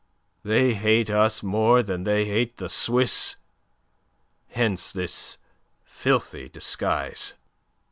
They hate us more than they hate the Swiss. Hence this filthy disguise."